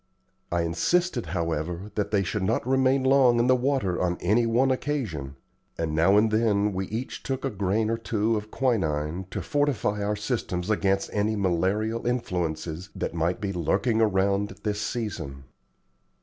I insisted, however, that they should not remain long in the water on any one occasion, and now and then we each took a grain or two of quinine to fortify our systems against any malarial influences that might be lurking around at this season.